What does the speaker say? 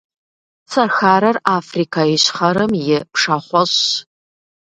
Сахарэр - Африкэ Ищхъэрэм и пшахъуэщӏщ.